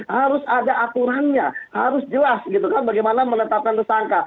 harus ada aturannya harus jelas bagaimana menetapkan tersangka